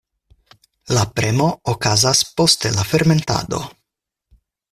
La premo okazas poste la fermentado.